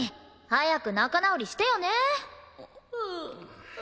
早く仲直りしてよねー。